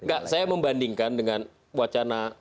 enggak saya membandingkan dengan wacana